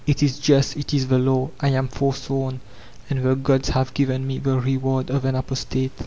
It is just ; it is the Law ; I am f orswom, and the gods have given me the Reward of An Apostate.